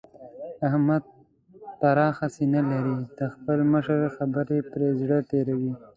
احمد پراخه سينه لري؛ د خپل مشر خبرې پر زړه تېروي.